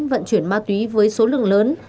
vận chuyển ma túy với số lượng lớn